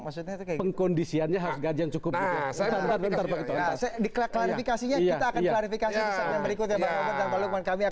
pengkondisiannya harus gaji yang cukup